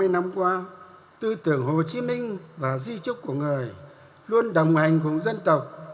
bảy mươi năm qua tư tưởng hồ chí minh và di trúc của người luôn đồng hành cùng dân tộc